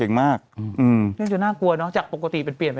น่ากลัวเนาะจากปกติเปลี่ยน